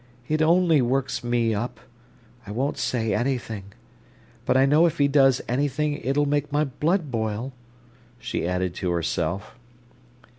"It only works me up; I won't say anything. But I know if he does anything it'll make my blood boil," she added to herself.